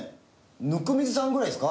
温水さんぐらいですか？